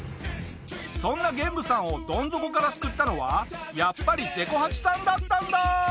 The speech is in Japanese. そんなゲンブさんをどん底から救ったのはやっぱりでこ八さんだったんだ！